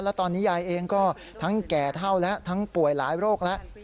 และตอนนี้ยายเองก็ทั้งแก่เท่าแล้วทั้งป่วยหลายโรคแล้ว